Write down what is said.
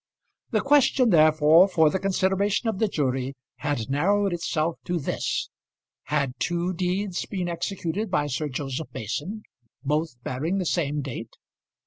The question, therefore, for the consideration of the jury had narrowed itself to this: had two deeds been executed by Sir Joseph Mason, both bearing the same date?